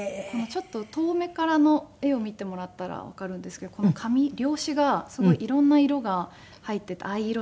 ちょっと遠目からの画を見てもらったらわかるんですけどこの紙料紙がすごい色んな色が入っていて藍色だったりあさぎ色とか。